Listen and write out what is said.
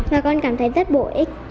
và con cảm thấy rất bổ ích